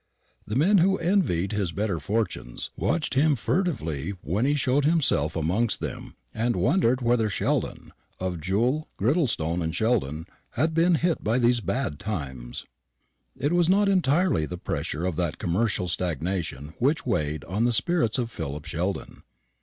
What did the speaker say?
The men who envied his better fortunes watched him furtively when he showed himself amongst them, and wondered whether Sheldon, of Jull, Girdlestone, and Sheldon, had been hit by these bad times. It was not entirely the pressure of that commercial stagnation which weighed on the spirits of Philip Sheldon.